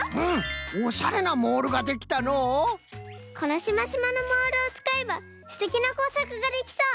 このシマシマのモールをつかえばすてきなこうさくができそう！